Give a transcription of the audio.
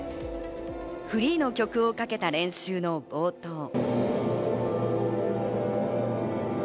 フリーの曲をかけた練習の冒頭。